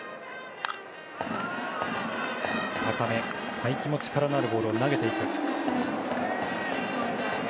才木も力のあるボールを投げていく。